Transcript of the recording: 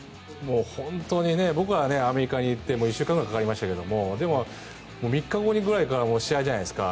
本当に僕はアメリカに行って１週間ぐらいかかりましたがでも、３日後ぐらいから試合じゃないですか。